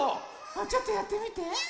ちょっとやってみて。